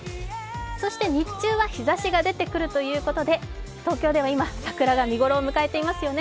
そして、日中は日ざしが出てくるということで東京では今、桜が見頃を迎えていますよね。